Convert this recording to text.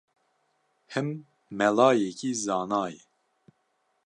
Him melayekî zana ye